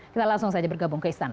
kita langsung saja bergabung ke istana